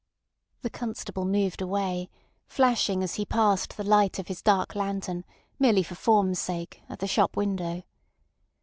The constable moved away, flashing as he passed the light of his dark lantern, merely for form's sake, at the shop window.